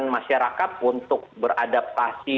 masyarakat untuk beradaptasi